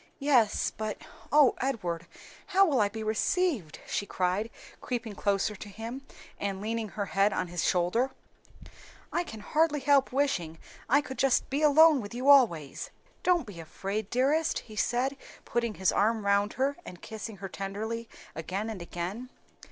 "Yes, but O Edward, how will I be received?" she cried, creeping closer to him and leaning her head on his shoulder. "I can hardly help wishing I could just be alone with you always." "Don't be afraid, dearest," he said, putting his arm round her and kissing her tenderly again and again.